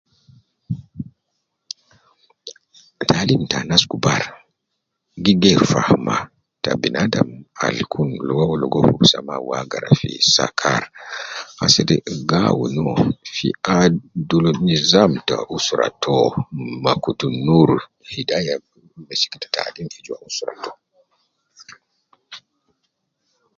Taalim ta anas kubar ,gi geeru faham ta binadam al kul ligo uwo gi ligo fi zaman uwo agara fi sakar, asede gi awun uwo gi ad adul nizam ta usra to ma kutu noor, fi daya taalim fi usra to